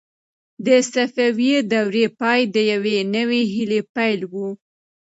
د صفوي دورې پای د یوې نوې هیلې پیل و.